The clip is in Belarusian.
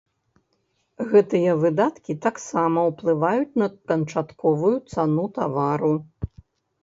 Гэтыя выдаткі таксама ўплываюць на канчатковую цану тавару.